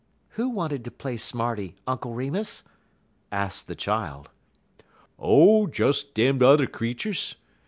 "Who wanted to play smarty, Uncle Remus?" asked the child. "Oh, des dem t'er creeturs.